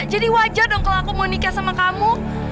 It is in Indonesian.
jadi wajar dong kalau aku mau nikah sama kamu